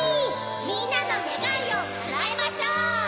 みんなのねがいをかなえましょう！